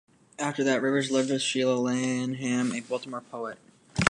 After that Rivers lived with Sheila Lanham, a Baltimore poet.